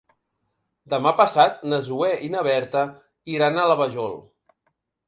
Demà passat na Zoè i na Berta iran a la Vajol.